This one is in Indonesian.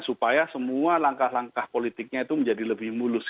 supaya semua langkah langkah politiknya itu menjadi lebih mulus